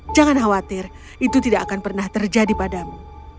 jangan khawatir itu tidak akan pernah terjadi padamu